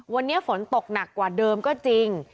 วันนี้ฝนตกหนักกว่าเดิมก็จริง